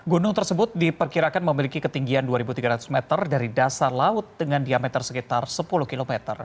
gunung tersebut diperkirakan memiliki ketinggian dua tiga ratus meter dari dasar laut dengan diameter sekitar sepuluh km